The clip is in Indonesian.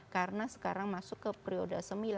karena sekarang masuk ke periode sembilan